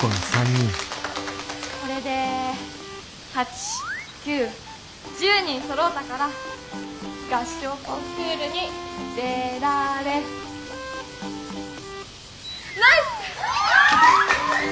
これで８９１０人そろったから合唱コンクールに出られます！